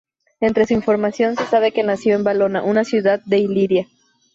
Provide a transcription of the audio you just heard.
Entre su información, se sabe que nació en Valona, una ciudad de Iliria.